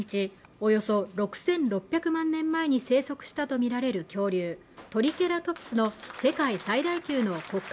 およそ６６００万年前に生息したと見られる恐竜トリケラトプスの世界最大級の骨格